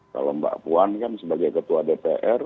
kalau mbak puan kan sebagai ketua dpr